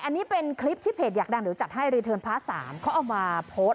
อันนี้เป็นคลิปที่เพจอยากดังเดี๋ยวจัดให้รีเทิร์นพาร์ท๓เขาเอามาโพสต์